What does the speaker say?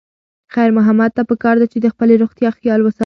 خیر محمد ته پکار ده چې د خپلې روغتیا خیال وساتي.